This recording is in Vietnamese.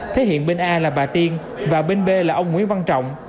thế hiện bên a là bà tiên và bên b là ông nguyễn văn trọng